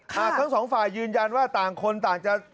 ทั้งสองฝ่ายยืนยันว่าต่างคนต่างจะ